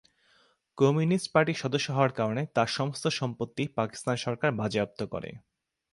Communist পার্টির সদস্য হওয়ার কারণে তার সমস্ত সম্পত্তি পাকিস্তান সরকার বাজেয়াপ্ত করে।